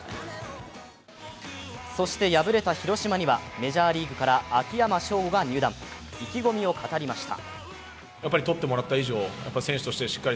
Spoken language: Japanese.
そして敗れた広島にはメジャーリーグから秋山翔吾が入団意気込みを語りました。